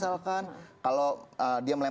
sebagai hukum massenie